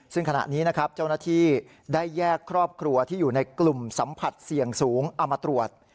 ซึ่งขณะนี้นะครับเจ้าหน้าที่ได้แยกครอบครัวที่อยู่ในกลุ่มสัมผัสเสี่ยงสูงเอามาตรวจ